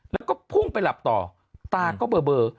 แล้วก็พุ่งไปหลับต่อตาก็เบอร์